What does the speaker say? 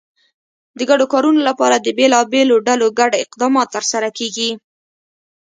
د ګډو کارونو لپاره د بېلابېلو ډلو ګډ اقدامات ترسره کېږي.